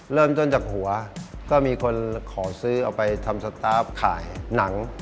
เริ่มต้นจากหัวก็มีคนขอซื้อเอาไปทำสตาร์ฟขายหนัง